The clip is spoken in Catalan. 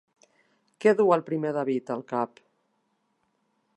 Què du el primer David al cap?